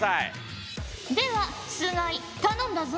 では須貝頼んだぞ。